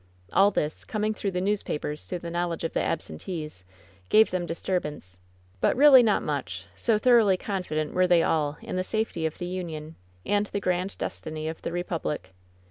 All this, coming through the newspapers to the knowl edge of the absentees, gave them disturbance, but really WHEN SHADOWS DIE 11 not much, so thoroughly confident were they all in the safety of the Union, and the grand destiny of the re public.